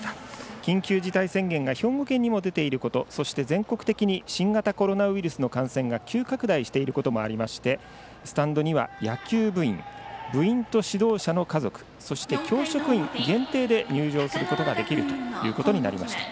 緊急事態宣言が兵庫県にも出ていることそして全国的に新型コロナウイルスの感染が急拡大していることもありましてスタンドには野球部員部員と指導者の家族そして教職員限定で入場することができるということになりました。